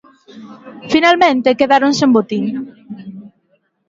Finalmente quedaron sen botín.